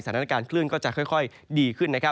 สถานการณ์คลื่นก็จะค่อยดีขึ้น